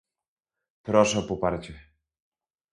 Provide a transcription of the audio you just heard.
Proszę o poparcie